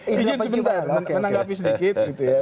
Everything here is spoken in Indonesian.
sedikit sebentar menanggapi sedikit gitu ya